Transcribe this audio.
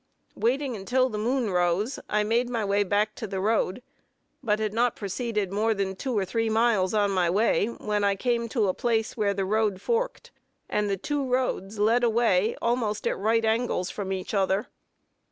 Waiting until the moon rose, I made my way back to the road, but had not proceeded more than two or three miles on my way, when I came to a place where the road forked, and the two roads led away almost at right angles from each other.